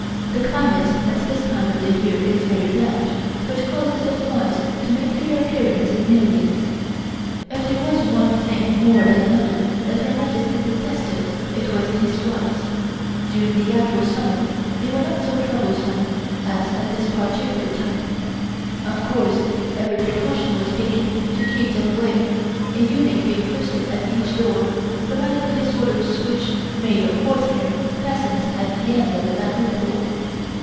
The climate at this time of the year is very damp, which causes the flies to make their appearance in millions. If there was one thing more than another that Her Majesty detested it was these flies. During the actual summer they were not so troublesome as at this particular time. Of course every precaution was taken to keep them away, a eunuch being posted at each door, provided with sort of a switch made of horse hair fastened at the end of a bamboo pole.